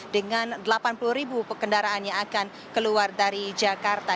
dengan delapan puluh ribu kendaraan yang akan keluar dari jakarta